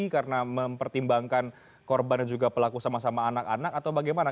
karena mempertimbangkan korban dan juga pelaku sama sama anak anak atau bagaimana